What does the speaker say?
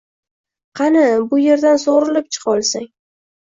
Qani, bu yerdan sugʻurilib chiqa olsang!